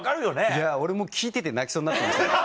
いや俺も聞いてて泣きそうになって来ました。